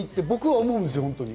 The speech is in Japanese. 僕は思うんですよ。